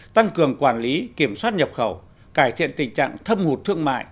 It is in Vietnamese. tăng cường quản lý kiểm soát nhập khẩu cải thiện tình trạng thâm hụt thương mại